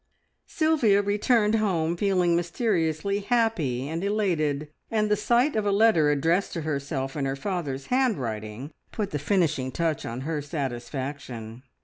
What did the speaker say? Sylvia returned home feeling mysteriously happy and elated, and the sight of a letter addressed to herself in her father's handwriting put the finishing touch on her satisfaction.